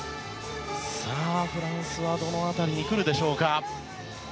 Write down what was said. フランスはどの辺りに来るでしょうか。